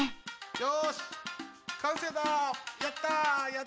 よしかんせいだ！